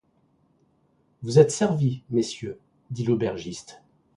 Vous êtes servis, messieurs, dit l’aubergiste.